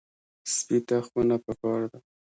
سپي ته خونه پکار ده.